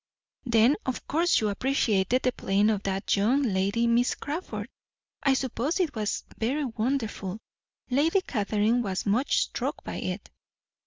"Then of course you appreciated the playing of that young lady, Miss Crawford. I suppose it was very wonderful. Lady Catherine was much struck by it."